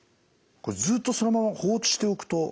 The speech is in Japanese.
これずっとそのまま放置しておくと。